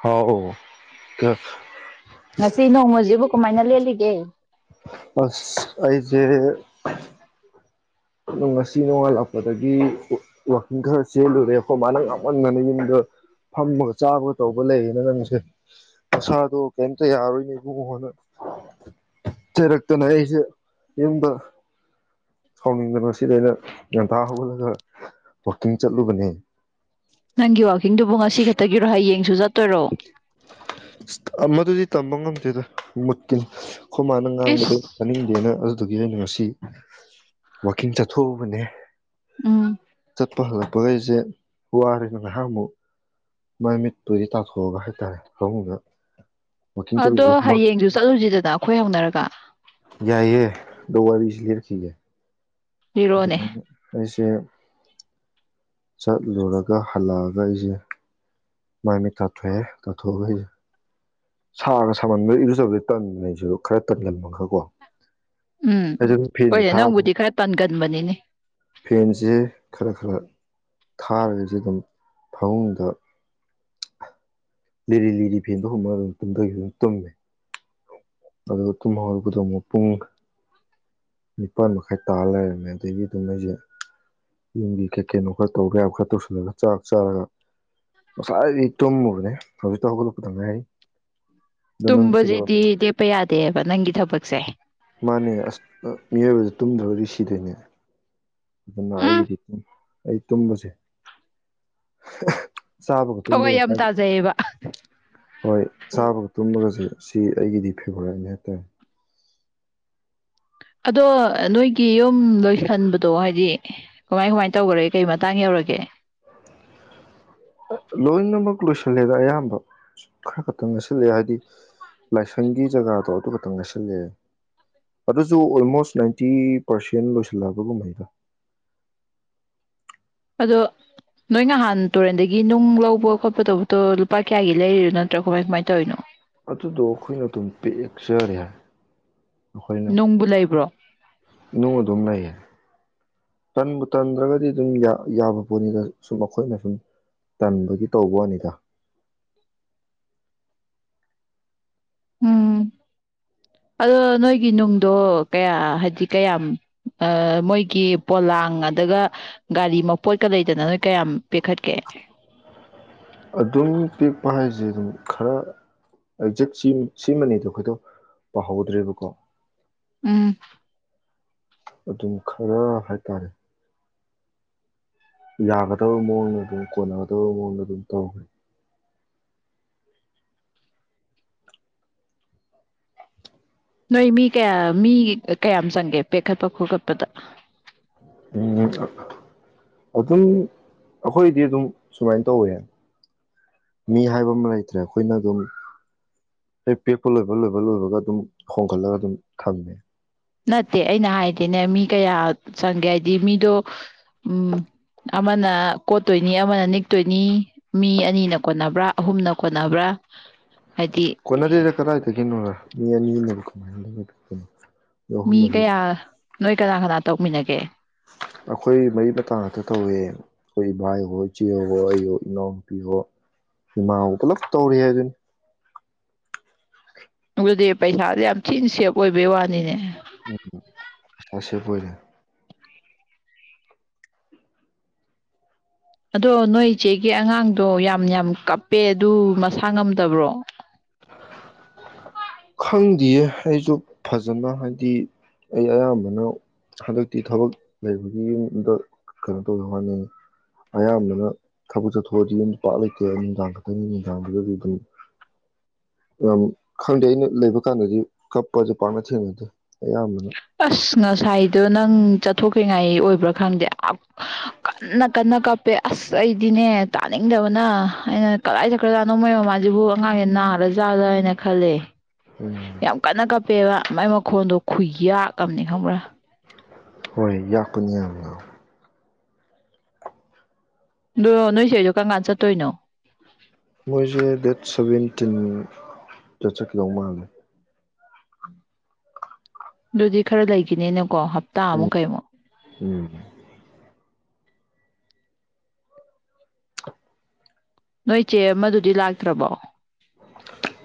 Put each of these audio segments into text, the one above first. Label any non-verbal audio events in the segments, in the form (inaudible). ꯍꯥꯎ (unintelligible) ꯉꯁꯤ ꯅꯣꯡꯃꯁꯤꯕꯨ ꯀꯃꯥꯏꯅ ꯂꯦꯜꯂꯤꯒꯦ꯫ ꯑꯁ ꯑꯩꯁꯦ ꯉꯁꯤ ꯅꯣꯡꯉꯥꯜꯂꯛꯄꯗꯒꯤ ꯋꯥ-ꯋꯥꯛꯀꯤꯡ ꯈꯔ ꯆꯦꯜꯂꯨꯔꯦ ꯑꯩꯈꯣꯏ ꯃꯥ ꯅ ꯉꯥꯡꯃꯟꯗꯅ ꯌꯨꯝꯗ ꯐꯝꯃꯒ ꯆꯥꯕꯒ ꯇꯧꯕ ꯂꯩꯌꯦꯅ ꯅꯪꯁꯦ ꯅꯁꯥꯗꯣ ꯀꯩꯝꯇ ꯌꯥꯔꯔꯣꯏꯅꯦ ꯏꯕꯨꯡꯉꯣꯅ ꯆꯩꯔꯛꯇꯅ ꯑꯩꯁꯦ ꯌꯨꯝꯗ ꯁꯥꯎꯅꯤꯡꯗ ꯉꯁꯤꯗꯤ ꯑꯩꯅ ꯉꯟꯇꯥ ꯍꯧꯒꯠꯂꯒ ꯋꯥꯛꯀꯤꯡ ꯆꯠꯂꯨꯕꯅꯦ꯫ ꯅꯪꯒꯤ ꯋꯥ ꯀꯤꯡꯗꯨꯕꯨ ꯉꯁꯤ ꯈꯛꯇꯒꯤꯔꯣ ꯍꯌꯦꯡ ꯁꯨꯆꯠ ꯇꯣꯏꯔꯣ꯫ ꯃꯗꯨꯗꯤ ꯇꯝꯕ ꯉꯝꯗꯦꯗ ꯃꯨꯠꯀꯤ꯫ ꯑꯩꯈꯣꯏ ꯃꯥꯅ ꯏꯁ ꯉꯥꯡꯕꯗ ꯇꯥꯅꯤꯡꯗꯦꯅ꯫ ꯑꯗꯨꯒꯤ ꯑꯩꯅ ꯉꯁꯤ ꯋꯥꯛꯀꯤꯡ ꯆꯠꯊꯣꯛꯎꯕꯅꯦ ꯎꯝ ꯆꯠꯄ ꯍꯜꯂꯛꯄꯒ ꯑꯩꯁꯦ ꯋꯥꯔꯦꯅ ꯉꯥꯏꯍꯥꯛ ꯑꯃꯨꯛ ꯃꯥꯏꯃꯤꯠ ꯇꯥꯊꯣꯛꯑꯒ ꯍꯥꯏꯇꯥꯔꯦ ꯐꯃꯨꯡꯗ ꯋꯥꯛꯀꯤꯡ ꯑꯗꯣ ꯆꯠꯂꯨꯕ ꯍꯨꯃꯥꯡ ꯍꯌꯦꯡꯁꯨ ꯆꯠꯂꯨꯁꯤꯗꯅ ꯑꯩꯈꯣꯏ ꯍꯧꯅꯔꯒ ꯌꯥꯏꯌꯦ ꯗꯣ ꯋꯥꯔꯤꯁꯤ ꯂꯤꯔꯛꯈꯤꯒꯦ ꯂꯤꯔꯣꯅꯦ ꯑꯗꯨꯃ (inaudible) ꯆꯠꯂꯨꯔꯒ ꯍꯜꯂꯛꯑꯒ ꯑꯩꯁꯦ ꯃꯥꯏ ꯃꯤꯠ ꯇꯥꯊꯣꯛꯑꯦ ꯇꯥꯊꯣꯛꯑꯒ ꯑꯩꯁꯦ ꯁꯥꯒ ꯁꯥꯃꯟꯕ ꯏꯔꯨꯖꯕꯗꯤ ꯇꯟꯕ ꯑꯩꯁꯨ ꯈꯔ ꯇꯟꯒꯟꯕ ꯈ꯭ꯔ ꯀꯣ ꯎꯝ ꯑꯗꯨ ꯐꯦꯟꯁꯦ ꯍꯣꯏꯅꯦ ꯊꯥꯕ ꯅꯪꯕꯨꯗꯤ ꯈꯔ ꯇꯟꯒꯟꯕꯅꯤꯅꯦ ꯐꯦꯟꯁꯦ ꯈꯔ ꯈꯔ ꯊꯥꯔꯒꯁ ꯑꯗꯨꯝ ꯐꯃꯨꯡꯗ ꯂꯤꯔꯤ ꯂꯤꯔꯤ ꯐꯦꯟꯗꯣ ꯍꯨꯝꯃ ꯑꯗꯨ ꯇꯨꯝꯗꯒꯤ ꯑꯗꯨ ꯇꯨꯝꯃꯦ ꯑꯗ ꯇꯨꯝ ꯍꯧꯒꯠꯂꯛꯄꯗ ꯑꯃꯨꯛ ꯄꯨꯡ ꯅꯤꯄꯥꯜ ꯃꯈꯥꯏ ꯇꯥ ꯂꯩꯔꯝꯃꯦ ꯑꯗꯒꯤ ꯑꯗꯨꯝ ꯑꯩꯁꯦ ꯌꯨꯝꯒꯤ ꯀꯩꯀꯩꯅꯣ ꯈꯔ ꯇꯧꯕ ꯌꯥꯕ ꯈꯔ ꯇꯧꯁꯤꯜꯂꯒ ꯆꯥꯛ ꯆꯥꯔꯒ ꯉꯁꯥꯏꯗꯩꯩ ꯇꯨꯝꯃꯨꯕꯅꯦ ꯍꯧꯖꯤꯛꯇ ꯍꯧꯒꯠꯂꯛꯄꯗ ꯉꯥꯏꯔꯤ ꯑꯗꯣ ꯅꯪꯗꯤ ꯇꯝꯕꯖꯤꯗꯤ ꯀꯩꯗꯧꯔꯝꯃꯤꯅꯣ ꯂꯦꯞꯄ ꯌꯥꯗꯦ ꯇꯦꯕ ꯅꯪꯒꯤ ꯊꯕꯛꯁꯦ ꯇꯨꯝꯗ꯭ꯔꯗꯤ ꯁꯤꯗꯣꯏꯅꯦ ꯑꯗꯨꯅ ꯎꯝ ꯑꯩꯒꯤꯗꯤ ꯑꯩ ꯇꯨꯝꯕꯁꯦ ꯆꯥꯕꯒ ꯊꯋꯥꯏ ꯇꯨꯝꯕꯒ ꯌꯥꯝ ꯀꯥꯏꯗ ꯇꯥꯖꯩꯌꯦꯕ ꯍꯣꯏ ꯆꯥꯕꯒ ꯇꯨꯝꯕꯒꯁꯦ ꯁꯤ ꯑꯩꯒꯤꯗꯤ ꯐꯦꯕꯣꯔꯥꯏꯠꯅꯤ ꯍꯥꯏꯇꯥꯔꯦ ꯑꯗꯣ ꯅꯣꯏꯒꯤ ꯌꯨꯝ ꯂꯣꯏꯁꯟꯕꯗꯣ ꯍꯥꯏꯗꯤ ꯀꯃꯥꯏ ꯀꯃꯥꯏ ꯇꯧꯈꯔꯒꯦ ꯀꯩ ꯃꯇꯥꯡ ꯌꯧꯔꯒꯦ ꯃꯛ ꯂꯣꯏꯁꯤꯜꯂꯦꯗ ꯑꯌꯥꯝꯕ ꯈꯔ ꯈꯛꯇꯪ ꯉꯥꯏꯁꯤꯜꯂꯑꯦ ꯍꯥꯏꯗꯤ ꯂꯥꯏꯁꯪꯒꯤ ꯖꯒꯥꯗꯣ ꯑꯗꯨ ꯈꯛꯇꯪ ꯉꯥꯏꯁꯤꯜꯂꯑꯦ ꯑꯗꯨꯁꯨ ꯑꯣꯜꯃꯣꯁ ꯅꯥꯏꯟꯇꯤ ꯄꯥꯔꯁꯦꯟ ꯂꯣꯏꯁꯤꯜꯂꯛꯕꯒꯨꯝꯍꯩꯗ ꯑꯗꯣ ꯅꯣꯏ ꯅꯍꯥꯟ ꯇꯨꯔꯦꯟꯗꯒꯤ ꯅꯨꯡ ꯂꯧꯕ ꯈꯣꯠꯄ ꯇꯧꯕꯗꯣ ꯂꯨꯄꯥ ꯀꯌꯥꯒꯤ ꯂꯩꯔꯤꯅꯣ ꯅꯠꯇ꯭ꯔꯥ ꯀꯃꯥꯏ ꯀꯃꯥꯏꯅ ꯇꯧꯔꯤꯅꯣ ꯑꯗꯨꯗꯣ ꯑꯩꯈꯣꯏꯅ ꯑꯗꯨꯝ ꯄꯤꯛ ꯆꯔꯦ ꯅꯨꯡꯕꯨ ꯂꯩꯕ꯭ꯔꯣ ꯅꯣꯡꯗꯝꯅꯌꯦꯦ ꯇꯟꯕꯨ ꯇꯟꯗ꯭ꯔꯒꯗꯤ ꯑꯗꯨꯝ ꯌꯥꯕ ꯄꯣꯠꯅꯤꯗ ꯁꯨꯝ ꯑꯩꯈꯣꯏꯅ ꯁꯨꯝ ꯇꯟꯕꯒꯤ ꯇꯧꯕ ꯋꯥꯅꯤꯗ ꯎꯝ ꯑꯗꯣ ꯅꯣꯏꯒꯤ ꯅꯨꯡꯗꯣ ꯀꯌꯥ ꯍꯥꯏꯗꯤ ꯀꯌꯥꯝ ꯃꯣꯏꯒꯤ ꯄꯣꯂꯥꯡ ꯑꯗꯨꯒ ꯒꯥꯔꯤ ꯃꯄꯣꯠꯀ ꯂꯩꯗꯅ ꯅꯣꯏ ꯀꯌꯥꯝ ꯄꯦꯛꯈꯠꯀꯦ ꯑꯗꯨꯝ ꯄꯦꯛꯛꯄ ꯍꯥꯏꯁꯦ ꯑꯗꯨꯝ ꯈꯔ ꯑꯦꯛꯖꯦꯛ ꯁꯤꯃꯅꯦꯗꯣ ꯑꯩꯈꯣꯏꯗꯣ ꯄꯥꯍꯧꯗ꯭ꯔꯦꯕꯀꯣ ꯎꯝ ꯑꯗꯨꯝ ꯈꯔ ꯍꯥꯏꯇꯥꯔꯦ ꯌꯥꯒꯗꯕ ꯃꯑꯣꯡꯗ ꯑꯗꯨꯝ ꯀꯣꯟꯅꯒꯗꯕ ꯃꯑꯣꯡꯗ ꯑꯗꯨꯝ ꯇꯧꯈꯦ ꯅꯣꯏ ꯃꯤ ꯀꯌꯥ ꯃꯤ ꯀꯌꯥꯝ ꯆꯪꯒꯦ ꯄꯦꯛꯈꯠꯄ ꯈꯣꯀꯠꯄꯗ ꯎꯝ ꯑꯗꯨꯝ ꯑꯩꯈꯣꯏꯗꯤ ꯑꯗꯨꯝ ꯁꯨꯃꯥꯏꯅ ꯇꯧꯋꯦ ꯃꯤ ꯍꯥꯏꯕ ꯑꯃ ꯂꯩꯇ꯭ꯔꯦ ꯑꯩꯈꯣꯏꯅ ꯑꯗꯨꯝ ꯍꯦꯛ ꯄꯦꯛꯄ ꯂꯣꯏꯕ ꯂꯣꯏꯕ ꯂꯣꯏꯕꯒ ꯑꯗꯨꯝ ꯍꯣꯡꯒꯠꯂꯒ ꯑꯗꯨꯝ ꯊꯝꯃꯦ ꯅꯠꯇꯦ ꯑꯩꯅ ꯍꯥꯏꯗꯤꯦꯅꯦ ꯃꯤ ꯀꯌꯥ ꯆꯪꯒꯦ ꯍꯥꯏꯗꯤ ꯃꯤꯗꯣ ꯎꯝ ꯑꯃꯅ ꯀꯣꯠꯇꯣꯏꯅꯤ ꯑꯃꯅ ꯅꯤꯛꯇꯣꯏꯅꯤ ꯃꯤ ꯑꯅꯤꯅ ꯀꯣꯟꯅꯕ꯭ꯔꯥ ꯑꯍꯨꯝꯅ ꯀꯣꯟꯅꯕ꯭ꯔꯥ ꯍꯥꯏꯗꯤ ꯀꯅꯥꯗꯤ ꯀꯔꯥꯏꯦ ꯀꯣ ꯃꯤ ꯌꯥꯅꯤꯅꯕ ꯀꯥꯏ ꯃꯤ ꯀꯌꯥ ꯅꯣꯏ ꯀꯅꯥ ꯀꯅꯥ ꯇꯧꯃꯤꯟꯅꯒꯦ ꯑꯩꯈꯣꯏ ꯃꯔꯤ ꯃꯇꯥꯡ ꯉꯥꯛꯇ ꯇꯧꯋꯦ ꯑꯩꯈꯣꯏ ꯏꯕꯥ ꯏꯍꯣ ꯏꯆꯦ ꯍꯍꯣ ꯑꯩꯍꯣ ꯏꯅꯥꯎꯅꯨꯄꯤꯍꯣ ꯏꯃꯥ ꯍꯣ ꯄꯨꯂꯞ ꯇꯧꯔꯤ ꯍꯥꯏꯗꯨꯅꯤ ꯑꯗꯨꯗꯤ ꯄꯩꯁꯥꯗꯤ ꯌꯥꯝ ꯊꯤꯅ ꯁꯦꯞ ꯑꯣꯏꯕꯩ ꯋꯥꯅꯤꯅꯦ ꯁꯦ ꯐꯔꯦ ꯑꯗꯣ ꯅꯣꯏ ꯏꯆꯦꯒꯤ ꯑꯉꯥꯡꯗꯣ ꯌꯥꯝ ꯌꯥꯝ ꯀꯞꯄꯦ ꯑꯗꯨ ꯃꯁꯥ ꯉꯝꯗꯕ꯭ꯔꯣ ꯈꯪꯗꯦꯌꯦ ꯑꯩꯁꯨ ꯐꯖꯅ ꯍꯥꯏꯗꯤ ꯑꯩ ꯑꯌꯥꯝꯕꯅ ꯍꯟꯗꯛꯇꯤ ꯊꯕꯛ ꯂꯩꯕꯒꯤ ꯌꯨꯝꯗ ꯀꯩꯅꯣ ꯇꯧꯗꯦ ꯍꯠꯅ ꯑꯌꯥꯝꯕꯅ ꯊꯕꯛ ꯆꯠꯊꯣꯛꯑꯗꯤ ꯌ ꯄꯥꯛ ꯂꯩꯇꯦ ꯅꯨꯡꯗꯥꯡ ꯈꯛꯇꯪꯅꯤ ꯅꯨꯡꯗꯥꯡꯗꯨꯗꯗꯤ ꯑꯗꯨꯝ ꯌꯥꯝ ꯈꯪꯗꯦ ꯑꯩꯅ ꯂꯩꯕ ꯀꯥꯟꯗꯗꯤ ꯀꯞꯄꯁꯦ ꯄꯥꯛꯅ ꯊꯦꯡꯅꯗꯦ ꯑꯌꯥꯝꯕꯅ ꯑꯁ ꯉꯁꯥꯏꯗꯣ ꯅꯪ ꯆꯠꯊꯣꯛ꯭ꯔꯤꯉꯥꯏ ꯑꯣꯏꯕ꯭ꯔꯥ ꯈꯪꯗꯦ ꯀꯟꯅ ꯀꯟꯅ ꯀꯞꯄꯦ ꯑꯁ ꯑꯩꯗꯤꯅꯦ ꯇꯥꯅꯤꯡꯗꯕꯅ ꯑꯩꯅ ꯀꯗꯥꯏ ꯆꯠꯈ꯭ꯔꯖꯥꯠꯅꯣꯃꯩ ꯃꯃꯥꯁꯤꯕꯨ ꯑꯉꯥꯡꯁꯦ ꯅꯥꯔꯖꯥꯠꯂ ꯍꯥꯏꯅ ꯈꯜꯂꯦ ꯎꯝ ꯌꯥꯝ ꯀꯟꯅ ꯀꯥꯞꯄꯦꯕ ꯃꯥꯏ ꯃꯈꯣꯟꯗꯣ ꯈꯨꯌꯥꯛꯑꯅꯤ ꯈꯪꯕ꯭ꯔꯥ ꯍꯣꯏ ꯌꯥꯥꯛꯄꯅꯤ ꯌꯥꯝ ꯑ ꯅꯣꯏꯁꯦ ꯑꯩꯁꯨ ꯀꯔꯀꯥꯟ ꯆꯠꯇꯣꯏꯅꯣ ꯃꯣꯏꯁꯦ ꯗꯦꯠ ꯁꯚꯦꯟꯇꯤꯟ ꯗ ꯆꯠ ꯂ ꯃꯥꯜꯂꯦ ꯑꯗꯨꯗꯤ ꯈꯔ ꯂꯩꯈꯤꯅꯦꯅ ꯀꯣ ꯍꯞꯇꯥ ꯎꯝ ꯑꯃꯨꯛ ꯀꯩꯩꯅꯣ ꯎꯝ ꯅꯣꯏ ꯏꯆꯦ ꯑꯃꯗꯨꯗꯤ ꯂꯥꯛꯇ꯭ꯔꯕꯣ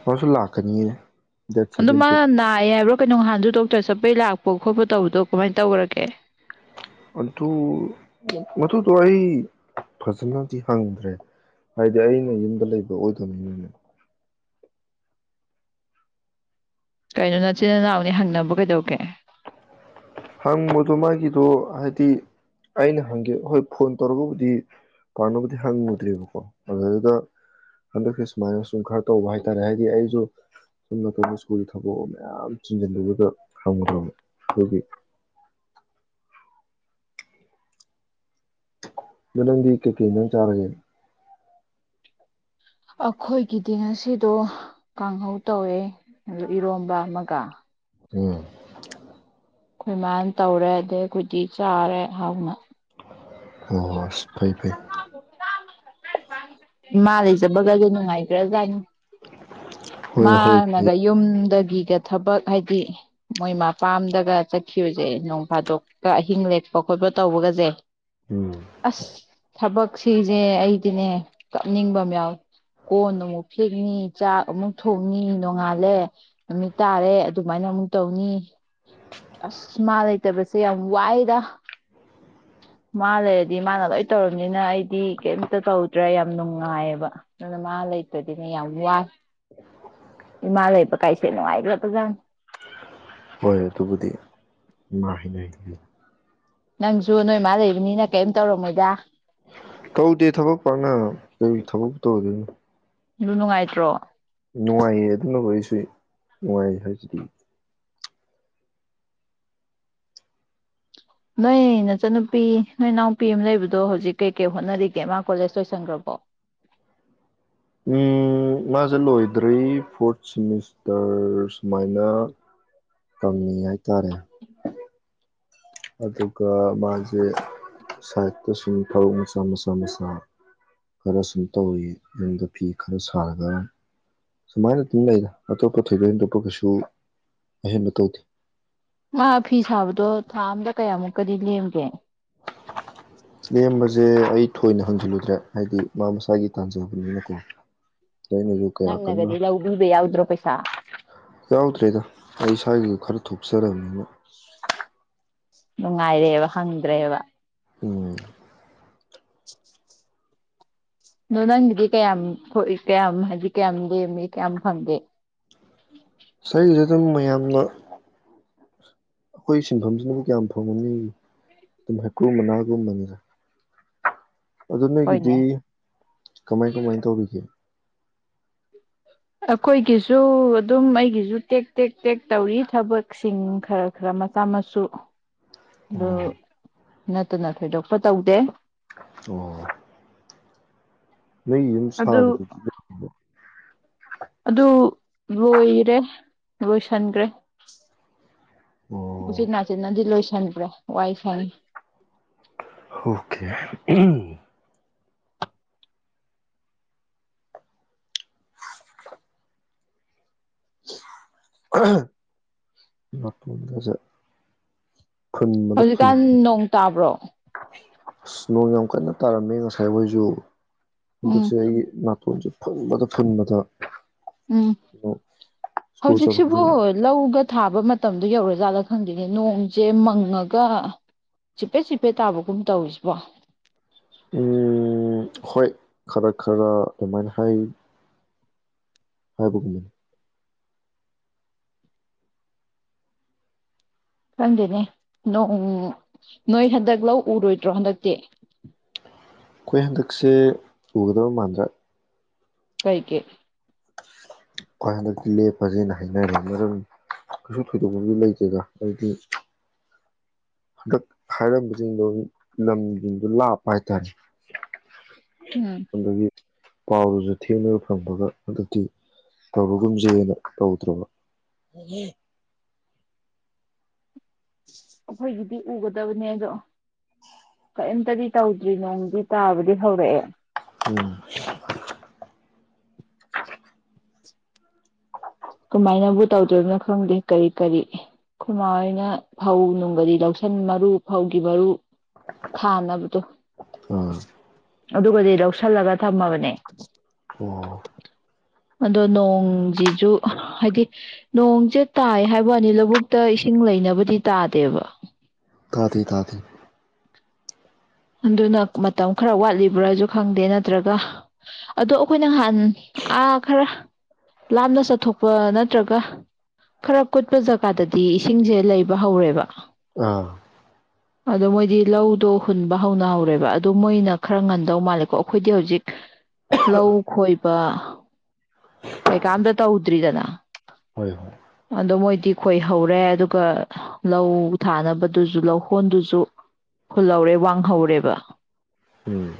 ꯑꯣꯁꯨ ꯂꯥꯛꯀꯅꯤꯅꯦ ꯗꯦꯠ ꯁꯕꯤ ꯇ ꯀꯩꯅꯣꯍꯥꯟꯗ ꯗꯣꯛꯇꯔ ꯆꯠꯄꯩ ꯂꯥꯛꯄ ꯈꯣꯠꯄ ꯇꯧꯕꯗꯣ ꯀꯃꯥꯏꯅ ꯇꯧꯈꯔꯒꯦ ꯑꯗꯨ ꯃꯗꯨꯗꯣ ꯑꯩ ꯐꯖꯅꯗꯤ ꯍꯪꯗ꯭ꯔꯦ ꯍꯥꯏꯗꯤ ꯑꯩꯅ ꯌꯨꯝꯗ ꯂꯩꯕ ꯑꯣꯏꯗꯕꯅꯤꯅꯅꯦ ꯀꯩꯅꯣ ꯅꯆꯤꯟ ꯅꯅꯥꯎꯅꯤ ꯍꯪꯅꯕ ꯀꯩꯗꯧꯒꯦ ꯍꯪꯕꯗꯣ ꯃꯥꯒꯤꯗꯣ ꯍꯥꯏꯗꯤ ꯑꯩꯅ ꯍꯪꯒꯦ ꯍꯣꯏ ꯐꯣꯟ ꯇꯧꯔꯒꯕꯨꯗꯤ ꯄꯥꯝꯅꯕꯕꯨꯗꯤ ꯍꯪꯉꯨꯗ꯭ꯔꯦꯕꯀꯣ ꯑꯗꯨꯗꯨꯗ ꯍꯟꯗꯛꯁ ꯁꯨꯃꯥꯏꯅ ꯁꯨꯝ ꯈꯔ ꯇꯧꯕ ꯍꯥꯏꯇꯥꯔꯦ ꯍꯥꯏꯗꯤ ꯑꯩꯁꯨ ꯁꯝ ꯅꯇꯗ ꯁ꯭ꯀꯨꯜꯒꯤ ꯊꯕꯛ ꯃꯌꯥꯝ ꯆꯤꯡꯁꯤꯟꯕꯗꯨꯗ ꯍꯪꯉꯨꯗ꯭ꯔꯕ ꯑꯗꯨꯒꯤ ꯂꯗꯤ ꯀ ꯀ ꯆꯥꯔꯒꯦ ꯑꯩꯈꯣꯏꯒꯤꯗꯤ ꯉꯁꯤꯗꯣ ꯀꯥꯡꯍꯧ ꯇꯧꯋꯦ ꯏꯔꯣꯝꯕ ꯑꯃꯒ ꯎꯝ ꯑꯩꯈꯣꯏꯃꯥꯏꯅ ꯇꯧꯔꯦ ꯑꯗꯩ ꯀꯨꯗꯤꯤ ꯆꯥꯔꯦ ꯍꯧꯅ ꯑꯣ ꯐꯩ ꯐꯩ ꯏꯃꯥ ꯂꯩꯖꯕꯒꯁꯨ ꯅꯨꯡꯉꯥꯏꯈ꯭ꯔꯖꯥꯠꯅꯤ ꯍꯣꯏ ꯍꯣꯏ ꯐꯩ ꯃꯥꯅꯒ ꯌꯨꯝꯗ ꯐꯤꯒ ꯊꯕꯛ ꯍꯥꯏꯗꯤ ꯃꯣꯏ ꯃꯄꯥꯝꯗꯒ ꯆꯠꯈꯤꯕꯁꯦ ꯅꯣꯡ ꯐꯥꯗꯣꯛꯀ ꯑꯍꯤꯡ ꯂꯦꯛꯄ ꯈꯣꯠꯄ ꯇꯧꯕꯒꯁꯦ ꯎꯝ ꯑꯁ ꯊꯕꯛꯁꯤꯁꯦ ꯑꯩꯗꯤꯅꯦ ꯀꯞꯅꯤꯡꯕ ꯑꯃ ꯌꯥꯎ ꯀꯣꯟ ꯑꯃꯨꯛ ꯐꯦꯡꯅꯤ ꯆꯥꯛ ꯑꯃꯨꯛ ꯊꯣꯡꯅꯤ ꯅꯣꯡꯉꯥꯜꯂꯦ ꯑꯃ ꯇꯥꯔꯦ ꯑꯗꯨꯃꯥꯏꯅ ꯑꯃꯨꯛ ꯇꯧꯅꯤ ꯑꯁ ꯃꯥ ꯂꯩꯇꯕꯁꯦ ꯌꯥꯝ ꯋꯥꯏꯗ ꯃꯥ ꯂꯩꯔꯗꯤ ꯃꯥꯅ ꯂꯣꯏ ꯇꯧꯔꯕꯝꯅꯤꯅ ꯑꯩꯗꯤ ꯀꯩꯝꯇ ꯇꯧꯗ꯭ꯔꯦ ꯌꯥꯝ ꯅꯨꯡꯉꯥꯏꯑꯕ ꯑꯗꯨꯅ ꯃꯥ ꯂꯩꯇ꯭ꯔꯗꯤꯅꯦ ꯌꯥꯝ ꯋꯥꯏ ꯏꯃꯥ ꯂꯩꯕ ꯀꯥꯏꯁꯦ ꯅꯨꯡꯉꯥꯏꯈ꯭ꯔ ꯐꯖꯥꯅꯤ ꯍꯣꯏ ꯑꯗꯨꯕꯨꯗꯤ ꯃꯥ ꯍꯥꯏꯅꯔꯤ ꯅꯪꯁꯨ ꯅꯣꯏ ꯏꯃꯥ ꯂꯩꯕꯅꯤꯅ ꯀꯔꯤꯝ ꯇꯧꯔꯝꯃꯣꯏꯗ ꯇꯣ ꯑꯗꯨ ꯑꯗꯨ ꯅꯨꯡꯉꯥꯏꯇ꯭ꯔꯣ ꯅꯨꯡꯉꯥꯏꯌꯦ ꯑꯗꯨꯅ ꯀꯣꯏꯁ ꯋꯥꯏ ꯍꯖꯗꯤ ꯅꯣꯏ ꯅꯆꯟꯅꯨꯄꯤ ꯅꯣꯏ ꯏꯅꯥꯎꯄꯤ ꯑꯃ ꯂꯩꯕꯗꯣ ꯍꯧꯖꯤꯛ ꯀꯩꯀꯩ ꯍꯣꯠꯅꯔꯤꯒꯦ ꯃꯥ ꯀꯣꯂꯦꯖ ꯂꯣꯏꯁꯟꯈ꯭ꯔꯕꯣ ꯎꯝ ꯃꯥꯁꯦ ꯂꯣꯏꯗ꯭ꯔꯤ ꯐꯣꯔꯠ ꯁꯤꯦꯃꯤꯁꯇꯔ ꯁꯨꯃꯥꯏꯅ ꯇꯝꯉ ꯍꯥꯏ ꯇꯔꯦ ꯑꯗꯨꯒ ꯃꯥꯁꯦ ꯁꯥꯏꯠꯇ ꯁꯨꯝ ꯐꯔꯛ ꯃꯆꯥ ꯃꯆꯥ ꯃꯆꯥ ꯈꯔ ꯁꯨꯝ ꯇꯧꯋꯤ ꯌꯨꯝꯗ ꯐꯤ ꯈꯔ ꯁꯥꯔꯒ ꯁꯨꯃꯥꯏꯅ ꯑꯗꯨꯝ ꯂꯩꯔꯦ ꯑꯇꯣꯞꯄ ꯊꯣꯏꯗꯣꯛ ꯍꯦꯟꯗꯣꯛꯞꯄ ꯀꯩꯁꯨ ꯑꯍꯦꯟꯕ ꯇꯧꯗꯦ ꯃꯥ ꯐꯤ ꯁꯥꯕꯗꯣ ꯊꯥ ꯑꯝꯗ ꯀꯌꯥꯃꯨꯛꯀꯗꯤ ꯂꯦꯝꯒꯦ ꯂꯦꯝꯕꯔꯁꯦ ꯑꯩ ꯊꯣꯏꯅ ꯍꯪꯖꯤꯜꯂꯨꯗ꯭ꯔꯦ ꯍꯥꯏꯗꯤ ꯃꯥ ꯃꯁꯥꯒꯤ ꯇꯥꯟꯖꯕꯅꯤꯅꯀꯣ ꯑꯩꯅꯁꯨ ꯀꯌꯥ ꯅꯪ ꯀꯟꯅ ꯅꯒꯗꯤ ꯏꯂꯕ ꯌꯥꯎꯗ꯭ꯔꯣ ꯄꯩꯁꯥ ꯌꯥꯎꯗ꯭ꯔꯦꯗ ꯑꯩ ꯏꯁꯋꯥꯏꯒꯤꯗꯨ ꯈꯔ ꯊꯣꯛꯆꯔꯕꯅꯤꯅ ꯅꯨꯡꯉꯥꯏꯔꯦꯕ ꯍꯪꯗ꯭ꯔꯦꯕ ꯎꯝ (unintelligible) ꯑꯗꯣ ꯅꯪꯒꯤꯗꯤ ꯀꯌꯥꯝ ꯊꯣꯛꯏ ꯀꯌꯥꯝ ꯍꯥꯏꯗꯤ ꯀꯌꯥꯝ ꯂꯦꯝꯃꯤ ꯀꯌꯥꯝ ꯐꯪꯒꯦ ꯁꯤꯒꯤꯗꯕꯨ ꯃꯌꯥꯝꯅ ꯑꯩꯈꯣꯏ ꯁꯤꯟꯐꯝꯁꯤꯅꯕꯨ ꯀꯌꯥꯝ ꯐꯪꯉꯨꯅꯤ ꯑꯗꯨꯝ ꯍꯩꯀ꯭ꯔꯨ ꯃꯅꯥꯒꯨꯝꯕꯅꯤꯗ ꯑꯗ‌ꯣ ꯅꯣꯏꯒꯤꯗꯤ ꯍꯣꯏꯅꯦ ꯀꯃꯥꯏ ꯀꯃꯥꯏ ꯇꯧꯕꯤꯒꯦ ꯑꯩꯈꯣꯏꯒꯤꯁꯨ ꯑꯗꯨꯝ ꯑꯩꯒꯤꯁꯨ ꯇꯦꯛ ꯇꯦꯛ ꯇꯦꯛ ꯇꯧꯔꯤ ꯊꯕꯛꯁꯤꯡ ꯈꯔ ꯈꯔ ꯃꯆꯥ ꯃꯁꯨ ꯑꯗꯨ ꯑꯣ ꯅꯠꯇꯅ ꯊꯣꯏꯗꯣꯛꯄ ꯇꯧꯗꯦ ꯑꯣ ꯅꯣꯏ ꯌꯨꯝ ꯑꯗꯨ ꯁꯥꯕꯗꯨꯗꯤ ꯑꯗꯨ ꯂꯣꯏꯔꯦ ꯂꯣꯏꯁꯤꯟꯈ꯭ꯔꯦ ꯎꯆꯤꯟ ꯅꯥꯆꯤꯟꯅꯗꯤ ꯂ‌ꯣꯏꯁꯤ ꯈꯟꯕ꯭ꯔ ꯋꯥꯏꯁꯪꯉꯤ ꯑꯣꯀꯦ ꯅꯥꯇ‌ꯣꯟꯒꯁ‌ꯦ ꯍꯧꯖꯤꯛꯀꯥꯟ ꯅꯣꯡ ꯇꯥꯕ꯭ꯔꯣ ꯑꯁ ꯅꯣꯡ ꯌꯥꯝ ꯀꯟꯅ ꯇꯥꯔꯝꯃꯦ ꯉꯁꯥꯏ ꯍꯣꯏꯁꯨ ꯎꯝ ꯍꯟꯗꯛꯁꯦ ꯑꯩꯒꯤ ꯅꯥꯊꯣꯟꯖꯦ ꯐꯨꯟꯕꯗ ꯐꯨꯟꯕꯗ ꯎꯝ ꯁ꯭ꯀꯨꯜ ꯆꯠꯊꯣꯛ ꯍꯧꯖꯤꯛꯁꯤꯕꯨ ꯆꯠꯁꯤꯟ ꯂꯧꯒ ꯊꯥꯕ ꯃꯇꯝꯗꯣ ꯌꯧꯔꯖꯥꯠꯂ ꯈꯪꯗ‌ꯦꯅ‌ꯦ ꯅꯣꯡꯁꯦ ꯃꯪꯉꯒ ꯆꯤꯞꯄꯦꯠ ꯆꯤꯞꯄꯦꯠ ꯇꯥꯕꯒꯨꯝ ꯇꯧꯔꯤꯁꯤꯕꯣ ꯎꯝ ꯍꯣꯏ ꯈꯔ ꯈꯔ ꯑꯗꯨꯃꯥꯏꯅ ꯍꯥꯏ ꯍꯥꯏꯒꯨꯝꯅ‌ꯦ ꯈꯪꯗꯦꯅꯦ ꯅ‌ꯣꯡ ꯅꯣꯏ ꯍꯟꯗꯛ ꯂꯧ ꯎꯔꯣꯏꯗ꯭ꯔꯣ ꯍꯟꯗꯛꯇꯤ ꯑꯩꯈꯣꯏ ꯍꯟꯗꯛꯁꯦ ꯎꯒꯗꯕ ꯃꯥꯟꯗ꯭ꯔ‌ꯦ ꯀꯩ ꯒꯤ ꯈ‌ꯣꯏ ꯍꯟꯗꯛꯇꯤ ꯂꯦꯞꯄꯁ‌ꯦꯅ ꯍꯥꯏꯅꯔꯦ ꯃꯔꯝꯗꯤ ꯀꯩꯁꯨ ꯊꯣꯏꯗꯣꯛꯄꯗꯤ ꯂꯩꯇꯦꯗ ꯑꯩꯗꯤ ꯍꯟꯗꯛ ꯍꯥꯏꯔꯝꯕꯁꯤꯡꯗꯣ ꯂꯝꯁꯤꯡꯗꯣ ꯂꯥꯞꯄ ꯍꯥꯏꯇꯥꯔꯦ ꯎꯝ ꯑꯗꯒꯤ ꯄꯥꯎꯗꯨꯁꯨ ꯊꯦꯡꯅꯒ ꯐꯪꯕꯒ ꯍꯟꯗꯛꯗꯤ ꯇꯧꯔꯒꯨꯝꯖꯦꯅ ꯇꯧꯗ꯭ꯔꯕ ꯑꯩꯈꯣꯏꯒꯤꯗꯤ ꯎꯒꯗꯕꯅꯦ ꯑꯗꯣ ꯀꯔꯤꯝꯇꯗꯤ ꯇꯧꯗ꯭ꯔꯤ ꯅꯣꯡꯗꯤ ꯇꯥꯕꯗꯤ ꯍꯧꯔꯛꯑꯦ ꯎꯝ ꯀꯃꯥꯏꯅꯕꯨ ꯇꯧꯗ꯭ꯣꯏꯔꯤꯕꯅꯣ ꯈꯪꯗꯦ ꯀꯔꯤ ꯀꯔꯤ ꯈ‌ꯣꯏ ꯃꯥꯍ‌ꯣꯏꯅ ꯐꯧ ꯅꯨꯡꯒꯗꯤ ꯂꯧꯁꯟ ꯃꯔꯨ ꯐꯧꯒꯤ ꯃꯔꯨ ꯊꯥꯅꯕꯗꯣ ꯑꯥ ꯑꯗꯨꯒꯗꯤ ꯂꯧꯁꯤꯜꯂꯒ ꯊꯝꯃꯕꯅꯦ ꯑꯣ ꯑꯗꯣ ꯅꯣꯡꯁꯤꯁꯨꯨ ꯍꯥꯏꯗꯤ ꯅꯣꯡꯁꯦ ꯇꯥꯏ ꯍꯥꯏꯕ ꯋꯥꯅꯤ ꯂꯧꯕꯨꯛꯇ ꯏꯁꯤꯡ ꯂꯩꯅꯕꯗꯤ ꯇꯥꯗꯦꯕ ꯇꯥꯗ‌ꯦ ꯇꯥꯗ‌ꯦ ꯑꯗꯨꯅ ꯃꯇꯝ ꯈꯔ ꯋꯥꯠꯂꯤꯕ꯭ꯔꯥꯁꯨ ꯈꯪꯗꯦ ꯅꯠꯇ꯭ꯔꯒ ꯑꯗꯣ ꯑꯩꯈꯣꯏꯅ ꯅꯍꯥꯟ ꯑꯥ ꯈꯔ ꯂꯥꯞꯅ ꯆꯠꯊꯣꯛꯄ ꯅꯠꯇ꯭ꯔꯒ ꯈꯔ ꯀꯨꯠꯄ ꯖꯒꯥꯗꯗꯤ ꯏꯁꯤꯡꯁꯦ ꯂꯩꯕ ꯍꯧꯔꯦꯕ ꯑꯥ ꯑꯗꯣ ꯃꯣꯏꯗꯤ ꯂꯧꯗꯣ ꯍꯨꯟꯕ ꯍꯧꯅ ꯍꯧꯔꯦꯕ ꯑꯗꯨ ꯃꯣꯏꯅ ꯈꯔ ꯉꯟꯗꯧ ꯃꯥꯜꯂꯦꯀꯣ ꯑꯩꯈꯣꯏꯗꯤ ꯍꯧꯖꯤꯛ ꯂꯧ ꯈꯣꯏ ꯄꯥ ꯀꯩꯀꯥꯝꯇ ꯇꯧꯗ꯭ꯔꯤꯗꯅ ꯍꯣꯏ ꯍꯣꯏ ꯑꯗꯣ ꯃꯣꯏꯗꯤ ꯈꯣꯏꯍꯧꯔꯦ ꯑꯗꯨꯒ ꯂꯧ ꯊꯥꯅꯕꯗꯨꯁꯨ ꯂꯧꯍꯣꯟꯗꯨꯁꯨ ꯍꯨꯜꯍꯧꯔꯦ ꯋꯥꯡꯍꯧꯔꯦꯕ ꯎꯝ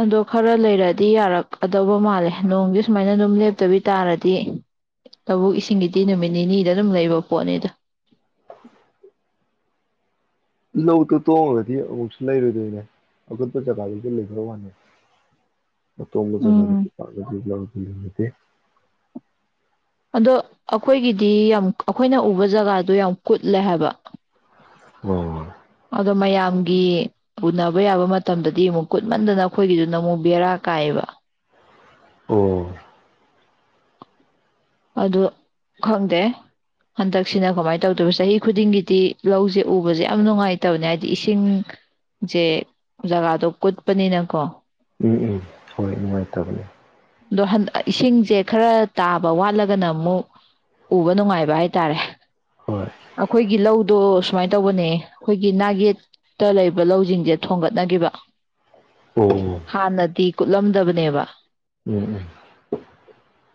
ꯑꯗꯣ ꯈꯔ ꯂꯩꯔꯛꯑꯗꯤ ꯌꯥꯔꯛꯀꯗꯧꯕ ꯃꯥꯜꯂꯦ ꯅꯣꯡꯗꯤ ꯁꯨꯃꯥꯏꯅ ꯑꯗꯨꯝ ꯂꯦꯞꯇꯕꯤ ꯇꯥꯔꯗꯤ ꯂꯧꯕꯨꯛ ꯏꯁꯤꯡꯒꯤꯗꯤ ꯅꯨꯃꯤꯠ ꯅꯤꯅꯤꯗ ꯑꯗꯨꯝ ꯂꯩꯕ ꯄꯣꯠꯅꯤꯗ ꯂꯧꯗ‌ꯣ ꯇꯣꯡꯉꯒꯗꯤ ꯑꯃꯨꯛꯁꯨ ꯂꯩꯔꯨꯗꯣꯏꯅꯦ ꯑꯀꯨꯠꯄ ꯖꯒꯥꯗꯨꯗꯤ ꯂꯩꯕ ꯋꯥꯅꯤ ꯑꯇ‌ꯣꯡꯕ ꯖꯒꯥꯗꯗꯤ ꯎꯝ ꯄꯥꯛꯅ (unintelligible) ꯑꯗꯣ ꯑꯩꯈꯣꯏꯒꯤꯗꯤ ꯌꯥꯝ ꯑꯩꯈꯣꯏꯅ ꯎꯕ ꯖꯒꯥꯗꯣ ꯌꯥꯝ ꯀꯨꯠꯂꯦ ꯍꯥꯏꯕ ꯎꯝ ꯑꯗꯣ ꯃꯌꯥꯝꯒꯤ ꯎꯅꯕ ꯌꯥꯕ ꯃꯇꯝꯗꯗꯤ ꯑꯃꯨꯛ ꯀꯨꯠꯃꯟꯗꯅ ꯑꯩꯈꯣꯏꯒꯤꯗꯨ ꯅ ꯑꯃꯨꯛ ꯕꯦꯔꯥ ꯀꯥꯏꯑꯕ ꯑꯣ ꯑꯗꯨ ꯈꯪꯗꯦ ꯍꯟꯗꯛꯁꯤꯅ ꯀꯃꯥꯏꯅ ꯇꯧꯗꯣꯏꯕ ꯆꯍꯤ ꯈꯨꯗꯤꯡꯒꯤꯗꯤ ꯂꯧꯁꯦ ꯎꯕꯁꯦ ꯌꯥꯝ ꯅꯨꯡꯉꯥꯏꯇꯕꯅꯦ ꯍꯥꯏꯗꯤ ꯏꯁꯤꯡꯁꯦ ꯖꯒꯥꯗꯣ ꯀꯨꯠꯄꯅꯤꯅꯀꯣ ꯎꯝ ꯎꯝ ꯍꯣꯏ ꯅꯨꯡꯉꯥꯏꯇꯕꯅꯦ ꯑꯗꯣꯟ ꯏꯁꯤꯡꯁꯦ ꯈꯔ ꯇꯥꯕ ꯋꯥꯠꯂꯒꯅ ꯑꯃꯨꯛ ꯎꯕ ꯅꯨꯡꯉꯥꯏꯕ ꯍꯥꯏꯇꯥꯔꯦ ꯍꯣꯏ ꯑꯩꯈꯣꯏꯒꯤ ꯂꯧꯗꯣ ꯁꯨꯃꯥꯏꯅ ꯇꯧꯕꯅꯦ ꯑꯩꯈꯣꯏꯒꯤ ꯅꯥꯒꯦꯠꯇ ꯂꯩꯕ ꯂꯧꯁꯤꯡꯁꯦ ꯊꯣꯡꯒꯠꯅꯈꯤꯕ ꯑꯣ ꯍꯥꯟꯅꯗꯤ ꯀꯠꯂꯝꯗꯕꯅꯦꯕ ꯎꯝ ꯎꯝ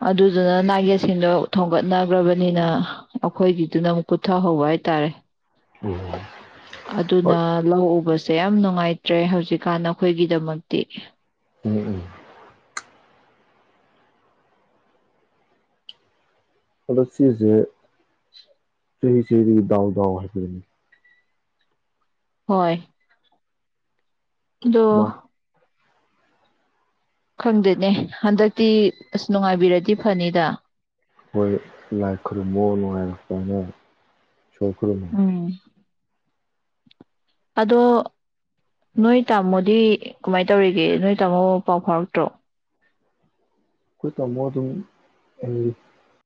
ꯑꯗꯨ ꯑꯗꯨꯅ ꯅꯥꯌꯦꯁꯤꯡꯗꯣ ꯊꯣꯡꯒꯠꯅꯈ꯭ꯔꯕꯅꯤꯅ ꯑꯩꯈꯣꯏꯒꯤꯗꯨꯅ ꯑꯃꯨꯛ ꯀꯨꯊꯍꯧꯕ ꯍꯥꯏꯇꯥꯔꯦ ꯎꯝ ꯑꯗꯨꯅ ꯍꯣꯏ ꯂꯧ ꯎꯕꯁꯦ ꯌꯥꯝ ꯅꯨꯡꯉꯥꯏꯇ꯭ꯔꯦ ꯍꯧꯖꯤꯛꯀꯥꯟ ꯑꯩꯈꯣꯏꯒꯤꯗꯃꯛꯇꯤ ꯎꯝ ꯎꯝ ꯑꯗꯣ ꯁꯤꯁꯦ ꯆꯍꯤ ꯆꯍꯤꯗꯒꯤ ꯗꯥꯎ ꯗꯥꯎ ꯍꯥꯏꯕꯗꯨꯅꯤ ꯍꯣꯏ ꯗꯣ ꯃꯥ ꯈꯪꯗꯦꯅꯦ ꯍꯟꯗꯛꯇꯤ ꯑꯁ ꯅꯨꯡꯉꯥꯏꯕꯤꯔꯗꯤ ꯐꯅꯤꯗ ꯍꯣꯏ ꯂꯥꯏ ꯈꯨꯔꯨꯝꯕꯑꯣ ꯅꯨꯡꯉꯥꯏꯔꯛꯄꯅꯦ ꯏꯁꯣꯔ ꯈ꯭ꯨꯔꯝꯃꯣ꯫ ꯎꯝ ꯑꯗꯣ ꯅꯣꯏ ꯇꯥꯃꯣꯗꯤ ꯀꯃꯥꯏꯅ ꯇꯧꯔꯤꯒꯦ ꯅꯣꯏ ꯇꯥꯃꯣ ꯄꯥꯎ ꯐꯥꯎꯔꯛꯇ꯭ꯔꯣ ꯑꯩꯈꯣꯏ ꯇꯥꯝꯃꯣ ꯑꯗꯨꯝ ꯍꯤꯡꯂꯤ